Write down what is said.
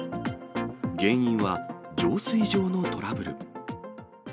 原因は、浄水場のトラブル。